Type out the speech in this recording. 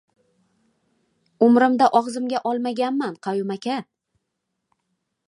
— Umrimda og‘zimga olmaganman, Qayum aka.